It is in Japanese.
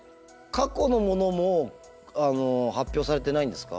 過去のものも発表されてないんですか？